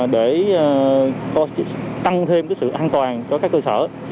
để có tăng thêm cái sự an toàn cho các cơ sở